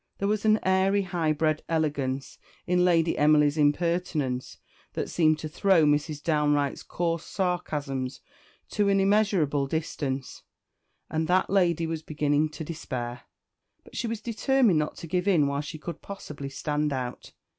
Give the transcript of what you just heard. There was an airy, high bred elegance in Lady Emily's impertinence that seemed to throw Mrs. Downe Wright's coarse sarcasms to an immeasurable distance; and that lady was beginning to despair, but she was determined not to give in while she could possibly stand out.